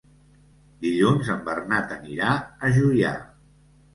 Dilluns en Bernat anirà a Juià.